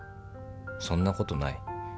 「そんなことない。